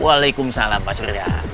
waalaikumsalam pak syuraya